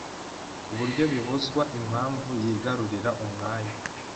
kuburyo bibuzwa impamvu yigarurira umwanya